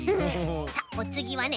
さあおつぎはね